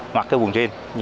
mặc cái quần jean